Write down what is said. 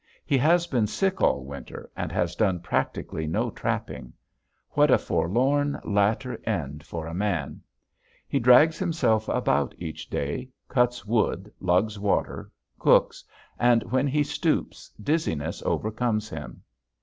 He has been sick all winter and has done practically no trapping. What a forlorn latter end for a man! He drags himself about each day, cuts wood, lugs water, cooks, and when he stoops dizziness overcomes him.